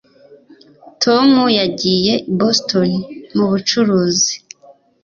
Tom yagiye i Boston mubucuruzi